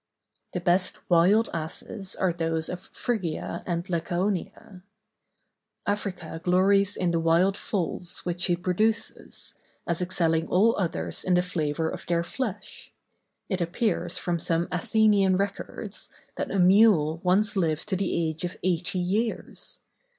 The best wild asses are those of Phrygia and Lycaonia. Africa glories in the wild foals which she produces, as excelling all others in the flavor of their flesh. It appears from some Athenian records, that a mule once lived to the age of eighty years.